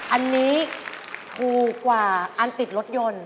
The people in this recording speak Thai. อันนี้ถูกกว่าอันติดรถยนต์